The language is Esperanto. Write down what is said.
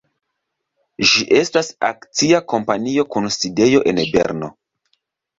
Ĝi estas akcia kompanio kun sidejo en Berno.